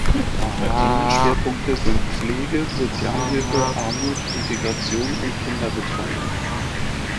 Themenschwerpunkte sind Pflege, Sozialhilfe, Armut, Integration und Kinderbetreuung.